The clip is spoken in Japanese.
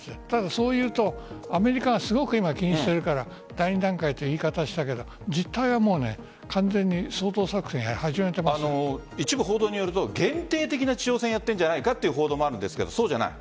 そう言うとアメリカがすごく気にしているから第２段階という言い方したけど実態は完全に掃討作戦一部報道によると限定的な地上戦やってるんじゃないかという報道もあるんですがそうじゃない。